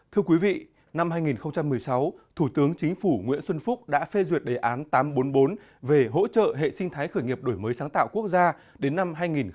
thưa quý vị năm hai nghìn một mươi sáu thủ tướng chính phủ nguyễn xuân phúc đã phê duyệt đề án tám trăm bốn mươi bốn về hỗ trợ hệ sinh thái khởi nghiệp đổi mới sáng tạo quốc gia đến năm hai nghìn hai mươi